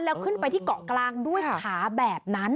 แล้วขึ้นไปที่เกาะกลางด้วยขาแบบนั้น